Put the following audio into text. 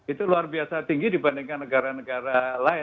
itu luar biasa tinggi dibandingkan negara negara lain